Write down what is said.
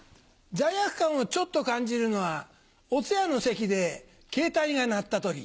罪悪感をちょっと感じるのはお通夜の席でケータイが鳴った時。